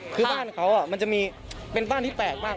คือบ้านเขามันจะมีเป็นบ้านที่แปลกมาก